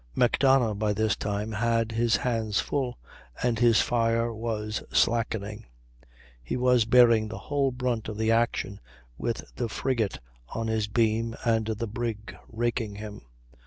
Macdonough by this time had his hands full, and his fire was slackening; he was bearing the whole brunt of the action, with the frigate on his beam and the brig raking him.